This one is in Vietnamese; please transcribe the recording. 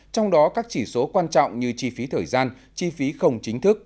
trong đó các chỉ số quan trọng như chi phí thời gian chi phí không chính thức